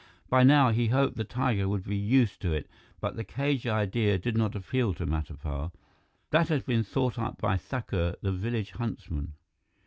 By now, he hoped the tiger would be used to it, but the cage idea did not appeal to Matapar. That had been thought up by Thakur, the village huntsman.